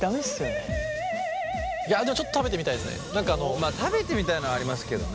まあ食べてみたいのはありますけどね。